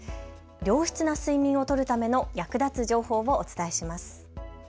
良質な睡眠をとるための役立つ情報をお伝えします。